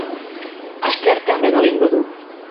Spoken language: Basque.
Asteartean, beroa egingo du.